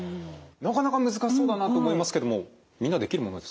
なかなか難しそうだなと思いますけどもみんなできるものですか？